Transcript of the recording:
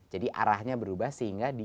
jadi arahnya berubah sehingga